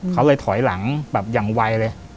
เขาเลยถอยหลังแบบอย่างไวเลย